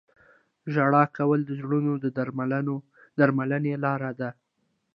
• ژړا کول د زړونو د درملنې لاره ده.